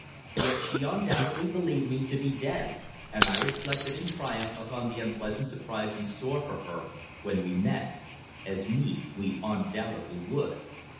Yet she undoubtedly believed me to be dead, and I reflected in triumph upon the unpleasant surprise in store for her when we met as meet we undoubtedly would.